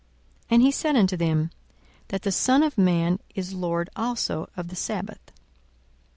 42:006:005 And he said unto them, That the Son of man is Lord also of the sabbath.